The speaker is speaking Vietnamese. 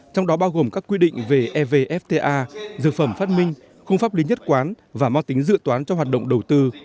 trong đó bao gồm các quy định về evfta dược phẩm phát minh khung pháp lý nhất quán và mang tính dự toán cho hoạt động đầu tư